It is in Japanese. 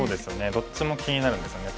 どっちも気になるんですよね。